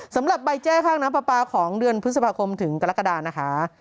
สำหรับใบแจ้ข้างน้ำปลาปลาของเดือนพฤษภาคมถึงกรกฎานะคะ